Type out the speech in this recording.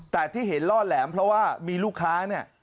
แต่ที่เห็นล่อแหลมเพราะว่ามีลูกค้าเนี่ย